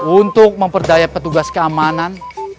untuk memperdaya petugas keamanan